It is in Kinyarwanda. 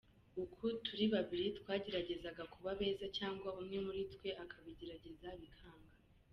Uko turi babiri, twageragezaga kuba beza cyangwa umwe muri twe akabigerageza bikanga.